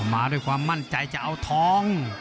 มาด้วยความมั่นใจจะเอาทอง